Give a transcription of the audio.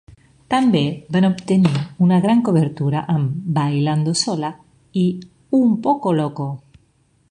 També van obtenir una gran cobertura amb "Bailando Sola" i "Un Poco Loco".